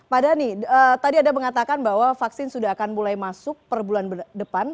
pak dhani tadi anda mengatakan bahwa vaksin sudah akan mulai masuk per bulan depan